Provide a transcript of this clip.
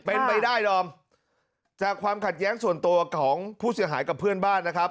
เป็นไปได้ดอมจากความขัดแย้งส่วนตัวของผู้เสียหายกับเพื่อนบ้านนะครับ